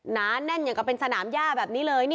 นาแน่นอย่างกับเป็นสนามย่าแบบนี้เลย